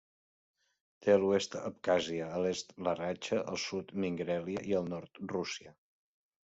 Té a l'oest Abkhàzia, a l'est la Ratxa, al sud Mingrèlia i al nord Rússia.